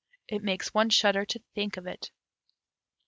It makes one shudder to think of it!